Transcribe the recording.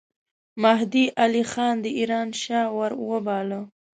مهدي علي خان د ایران شاه وروباله.